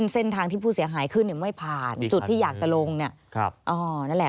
เส้นทางที่ผู้เสียหายขึ้นเนี่ยไม่ผ่านจุดที่อยากจะลงเนี่ยนั่นแหละ